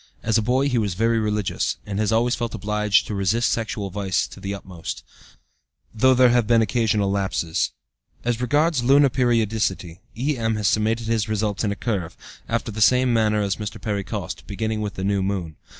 As a boy he was very religious, and has always felt obliged to resist sexual vice to the utmost, though there have been occasional lapses. As regards lunar periodicity, E.M., has summated his results in a curve, after the same manner as Mr. Perry Coste, beginning with the new moon.